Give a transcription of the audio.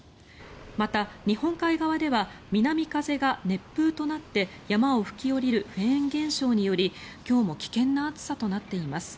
また、日本海側では南風が熱風となって山を吹き下りるフェーン現象により今日も危険な暑さとなっています。